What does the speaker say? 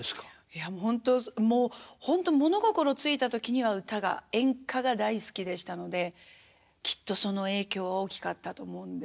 いやもうほんともうほんと物心付いた時には歌が演歌が大好きでしたのできっとその影響は大きかったと思うんです。